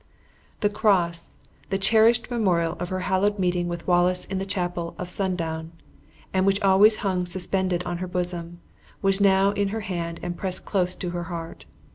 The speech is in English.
The cross, the cherished memorial of her hallowed meeting with Wallace in the chapel of Snawdoun, and which always hung suspended on her bosom, was now in her hand and pressed close to her heart.